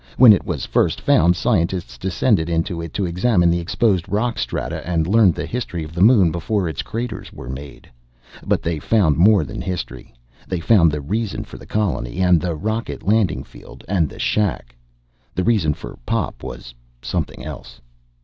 When it was first found, scientists descended into it to examine the exposed rock strata and learn the history of the Moon before its craters were made. But they found more than history. They found the reason for the colony and the rocket landing field and the shack. The reason for Pop was something else.